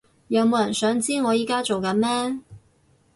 有冇人想知我而家做緊咩？